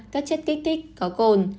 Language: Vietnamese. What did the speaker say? các chất kích thích có cồn